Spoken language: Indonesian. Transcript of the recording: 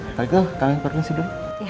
sekarang itu kalian pergi tidur